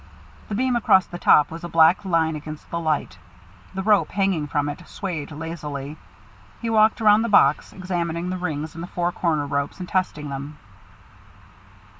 The beam across the top was a black line against the light. The rope, hanging from it, swayed lazily. He walked around the box, examining the rings and the four corner ropes, and testing them.